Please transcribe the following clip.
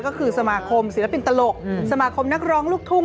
ก็คือสมาคมศิลปินตลกสมาคมนักร้องลูกทุ่ง